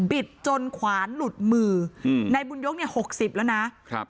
จนขวานหลุดมืออืมนายบุญยกเนี่ยหกสิบแล้วนะครับ